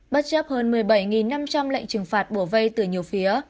bất chấp hơn một mươi bảy năm trăm linh lệnh trừng phạt bổ vây từ nhiều phía